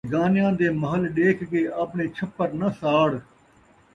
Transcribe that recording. بگانیاں دے محل ݙیکھ کے آپݨے چھپر ناں ساڑ